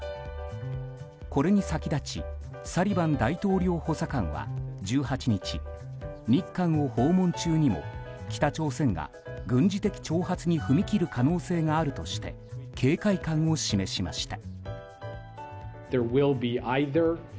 これに先立ちサリバン大統領補佐官は１８日、日韓を訪問中にも北朝鮮が軍事的挑発に踏み切る可能性があるとして警戒感を示しました。